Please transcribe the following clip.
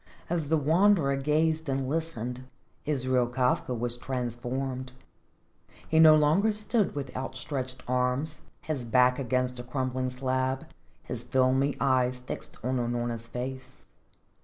As the Wanderer gazed and listened, Israel Kafka was transformed. He no longer stood with outstretched arms, his back against a crumbling slab, his filmy eyes fixed on Unorna's face.